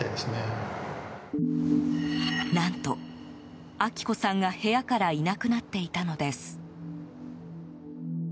何と、明子さんが部屋からいなくなっていたのです。